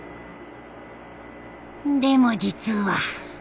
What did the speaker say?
でも実は。